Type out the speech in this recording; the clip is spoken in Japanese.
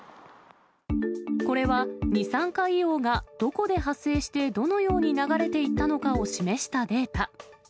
これは二酸化硫黄がどこで発生して、どのように流れていったのかを示したデータ。